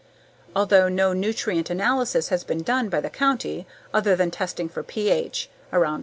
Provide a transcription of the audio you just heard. Although no nutrient analysis has been done by the county other than testing for pH (around 7.